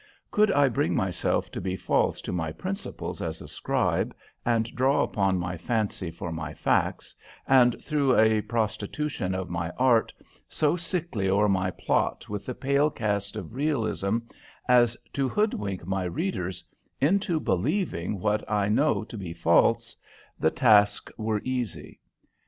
Could I bring myself to be false to my principles as a scribe, and draw upon my fancy for my facts, and, through a prostitution of my art, so sickly o'er my plot with the pale cast of realism as to hoodwink my readers into believing what I know to be false, the task were easy.